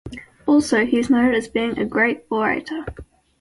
Also, he is noted as being a great orator.